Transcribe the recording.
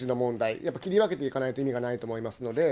やっぱ切り分けていかないと意味がないと思いますので。